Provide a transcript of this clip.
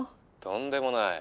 とんでもない。